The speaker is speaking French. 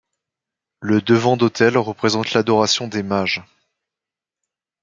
Le devant d'autel représente l'adoration des mages.